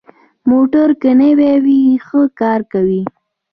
موټر که نوي وي، ښه کار کوي.